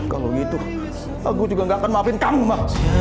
kalau gitu aku juga nggak akan maafin kamu ma